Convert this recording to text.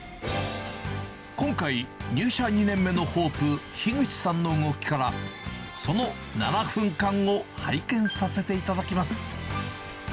今回、入社２年目のホープ、樋口さんの動きから、その７分間を拝見させていただきます。